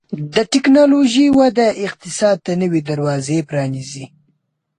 د ټکنالوژۍ وده اقتصاد ته نوي دروازې پرانیزي.